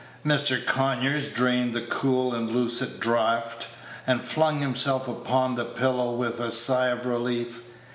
Mr. Conyers drained the cool and lucid draught, and flung himself back upon the pillow with a sigh of relief.